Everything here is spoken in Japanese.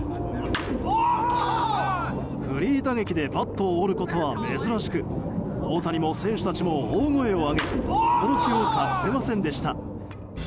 フリー打撃でバットを折ることは珍しく大谷も選手たちも大声を上げ驚きを隠せませんでした。